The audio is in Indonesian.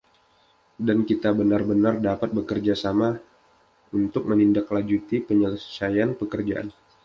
Dan kita benar-benar dapat bekerja sama untuk menindaklanjuti penyelesaian pekerjaan.